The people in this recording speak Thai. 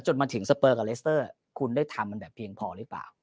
จนมาถึงสเปอร์กับเลสเตอร์คุณได้ทำมันแบบเพียงพอหรือเปล่า